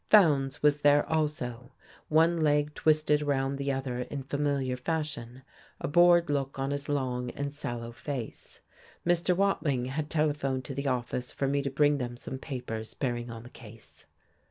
Fowndes was there also, one leg twisted around the other in familiar fashion, a bored look on his long and sallow face. Mr. Wading had telephoned to the office for me to bring them some papers bearing on the case.